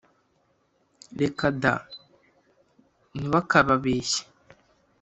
Reka da. Ntibakababeshye.